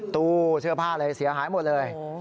ตู้เสื้อผ้าอะไรเสียหายหมดเลย